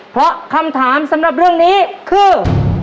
เพราะคำถามสำหรับเรื่องนี้คือ